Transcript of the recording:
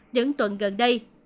những tuần gần đây